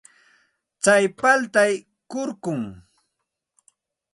Tsay paltay kurkum.